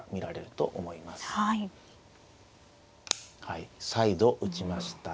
はい再度打ちました。